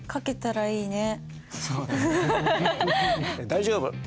大丈夫。